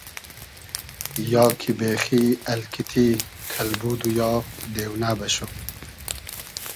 یا کی بېخی الکیتی , کئلبود و یا دېونۂ بئشوم